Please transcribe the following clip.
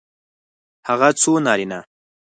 هغه څو نارینه